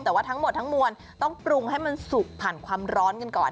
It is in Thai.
แต่ว่าทั้งหมดทั้งมวลต้องปรุงให้มันสุกผ่านความร้อนกันก่อน